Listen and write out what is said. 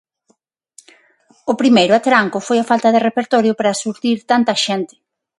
O primeiro atranco foi a falta de repertorio para surtir tanta xente.